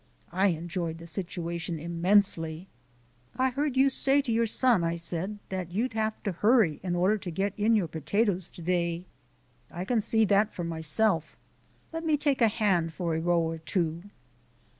I enjoyed the situation immensely. "I heard you say to your son," I said, "that you'd have to hurry in order to get in your potatoes to day. I can see that for myself. Let me take a hand for a row or two."